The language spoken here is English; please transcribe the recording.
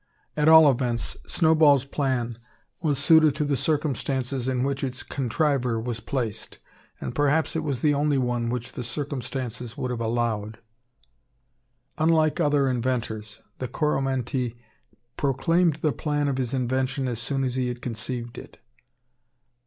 At all events, Snowball's plan was suited to the circumstances in which its contriver was placed; and perhaps it was the only one which the circumstances would have allowed. Unlike other inventors, the Coromantee proclaimed the plan of his invention as soon as he had conceived it.